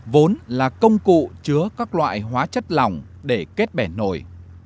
vốn là công cụ chứa các loại hóa chất lỏng để kết bẻ nổi